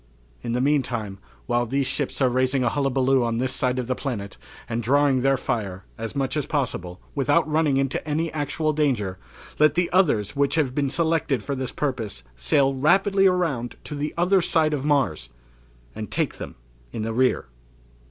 "In the meantime, while these ships are raising a hullabaloo on this side of the planet, and drawing their fire, as much as possible, without running into any actual danger, let the others which have been selected for the purpose, sail rapidly around to the other side of Mars and take them in the rear."